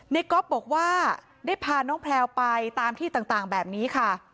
ก๊อฟบอกว่าได้พาน้องแพลวไปตามที่ต่างแบบนี้ค่ะ